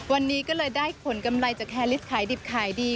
วันนี้ก็เลยได้ผลกำไรจากแคลิสขายดิบขายดี